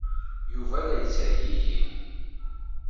Yuba la yettergigi.